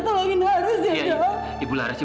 tolong dokter tolongin laras ya dok